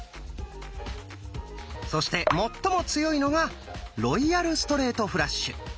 そして最も強いのが「ロイヤルストレートフラッシュ」。